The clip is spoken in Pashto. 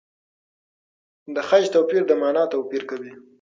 د خج توپیر د مانا توپیر کوي.